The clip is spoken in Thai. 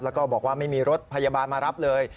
แล้วก็บอกว่าไม่มีรถพยาบาลมารับเลย